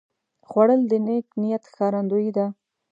خوړل د نیک نیت ښکارندویي ده